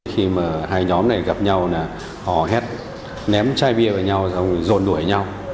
khi mà hai nhóm này gặp nhau là họ hét ném chai bia vào nhau rồi rồn đuổi nhau